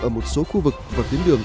ở một số khu vực và tuyến đường